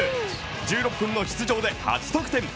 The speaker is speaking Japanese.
１６分の出場で８得点。